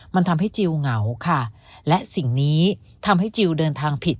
มันทำให้จิลเหงาค่ะและสิ่งนี้ทำให้จิลเดินทางผิด